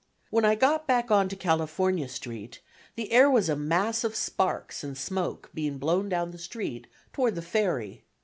When I got back on to California Street the air was a mass of sparks and smoke being blown down the street toward the ferry.